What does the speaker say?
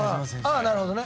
あっなるほどね。